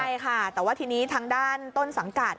ใช่ค่ะแต่ว่าทีนี้ทางด้านต้นสังกัด